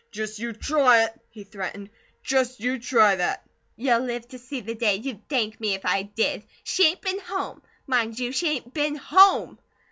"Just you try it!" he threatened. "Just you try that!" "You'll live to see the day you'd thank me if I did. She ain't been home. Mind you, she ain't been HOME!